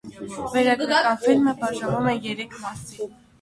Վավերագրական ֆիլմը բաժանված է երեք մասի։